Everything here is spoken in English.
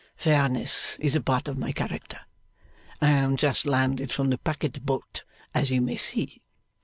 Fairness is a part of my character. I am just landed from the packet boat, as you may see.